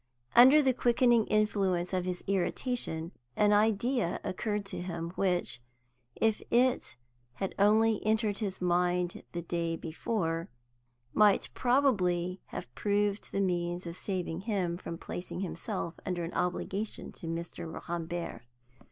Under the quickening influence of his irritation, an idea occurred to him, which, if it had only entered his mind the day before, might probably have proved the means of saving him from placing himself under an obligation to Mr. Rambert.